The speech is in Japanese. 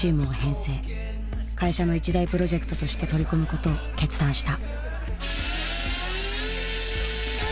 会社の一大プロジェクトとして取り組むことを決断した。